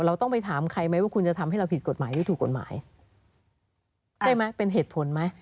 เราต้องไปถามใครไหมว่าคุณจะทำให้เราผิดกฎหมายหรือถูกกฎหมายใช่ไหมเป็นเหตุผลไหม